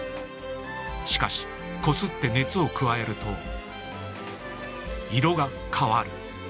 しかしこすって熱を加えると色が変わる。